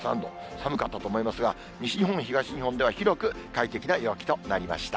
寒かったと思いますが、西日本、東日本では広く快適な陽気となりました。